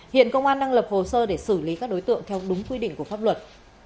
hiện công an đang lập hồ sơ để xử lý các đối tượng theo đúng quy định của pháp luật